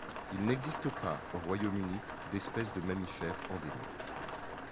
Il n'existe pas au Royaume-Uni d'espèce de mammifère endémique.